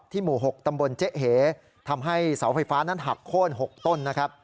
ที่หมู่๖ตำบลเจ๊ห์เหทำให้เสาไฟฟ้านั้นหับโค้น๖ต้น